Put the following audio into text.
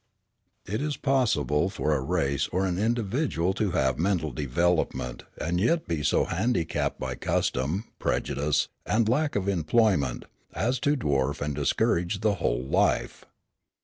It is possible for a race or an individual to have mental development and yet be so handicapped by custom, prejudice, and lack of employment as to dwarf and discourage the whole life.